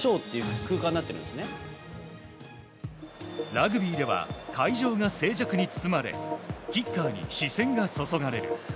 ラグビーでは会場が静寂に包まれキッカーに視線が注がれる。